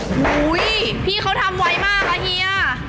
โอ้โหพี่เขาทำไวมากค่ะเฮีย